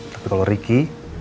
tapi kalau ricky